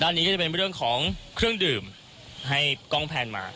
อันนี้ก็จะเป็นเรื่องของเครื่องดื่มให้กล้องแพนมา